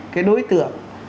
cái đối tượng